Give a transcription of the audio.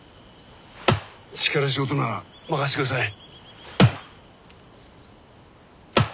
力仕事なら任してください。